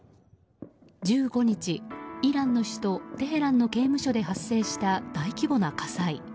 １５日、イランの首都テヘランの刑務所で発生した大規模な火災。